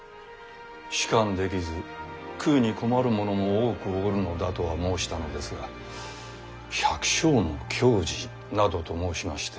仕官できず食うに困る者も多くおるのだとは申したのですが「百姓の矜持」などと申しまして。